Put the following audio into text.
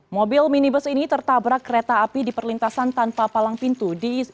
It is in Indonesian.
mobil minibus ini tertabrak kereta api di perlintasan tanpa palang pintu